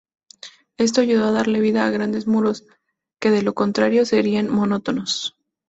Esto ayudó a darle vida a grandes muros, que de lo contrario serían monótonos.